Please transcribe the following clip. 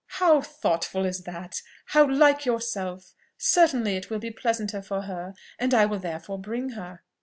"How thoughtful is that! how like yourself! Certainly it will be pleasanter for her, and I will therefore bring her."